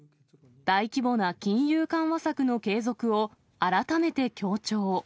大規模な金融緩和策の継続を改めて強調。